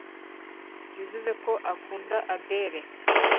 yavuze ko akunda adele